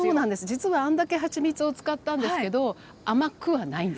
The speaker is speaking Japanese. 実はあんだけはちみつを使ったんですけど甘くはないんですよ。